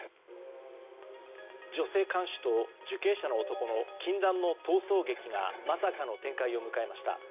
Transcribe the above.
女性看守と受刑者の男の禁断の逃走劇がまさかの展開を迎えました。